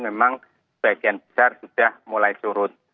memang sebagian besar sudah mulai surut